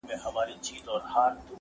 پسرلی سو ژمی ولاړی مخ یې تور سو!.